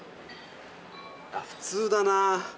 普通だな。